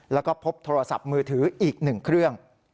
และพบโทรศัพท์มือถืออีกหนึ่งเครื่อง